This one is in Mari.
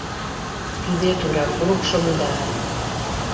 Тиде тура курыкшым да